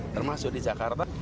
termasuk di jakarta